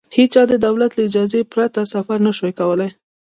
هېچا د دولت له اجازې پرته سفر نه شوای کولای.